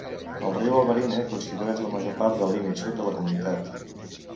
El riu Albarine constitueix la major part del límit sud de la comunitat.